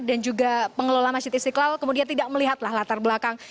dan juga pengelola masjid istiqlal kemudian tidak melihat latar belakang